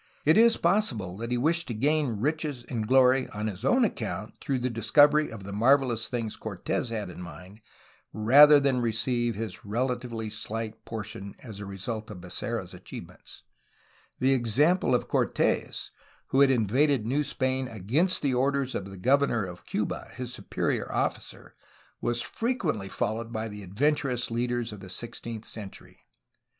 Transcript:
It is possible that he wished to gain riches and glory on his own account, through the discovery of the marvelous things Cortes had in mind, rather than receive his relatively slight portion as a result of Becerra's achieve ments; the example of Cort6s, who had invaded New Spain against the orders of the governor of Cuba, his superior officer, was frequently followed by the adventurous leaders of the sixteenth century.